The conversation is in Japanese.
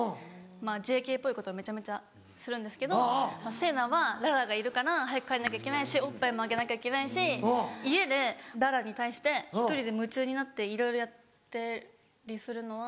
まぁＪＫっぽいことをめちゃめちゃするんですけど聖菜は蘭愛がいるから早く帰んなきゃいけないしおっぱいもあげなきゃいけないし家で蘭愛に対して１人で夢中になっていろいろやったりするのは。